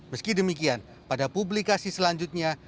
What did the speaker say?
meski demikian pada publikasi selanjutnya